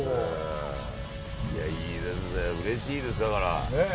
いいですねうれしいです。